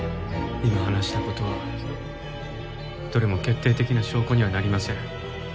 今話した事はどれも決定的な証拠にはなりません。